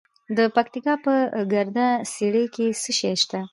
د پکتیا په ګرده څیړۍ کې څه شی شته؟